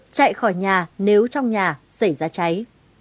chạy khỏi nhà nếu trong nhà xảy ra cháy